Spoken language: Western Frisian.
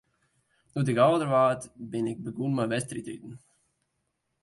Doe't ik âlder waard, bin ik begûn mei wedstriidriden.